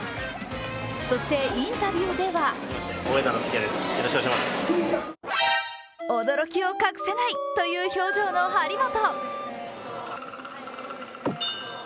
そして、インタビューでは驚きを隠せないという表情の張本。